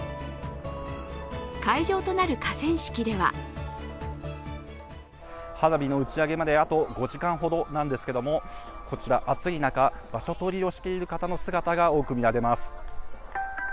会場となる河川敷では花火の打ち上げまであと５時間ほどなんですけれども、こちら、暑い中、場所取りをしている方の姿が多く見られます。